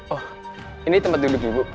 oh ini tempat duduk ibu